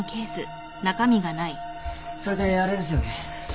それであれですよね。